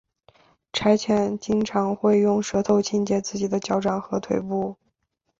柴犬经常会用舌头清洁自己的脚掌和腿部。